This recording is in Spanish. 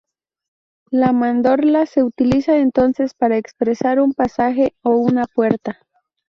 La mandorla se utiliza entonces para expresar un pasaje o una puerta.